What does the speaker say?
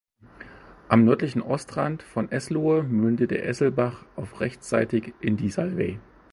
Am nördlichen Ortsrand von Eslohe mündet der Esselbach auf rechtsseitig in die Salwey.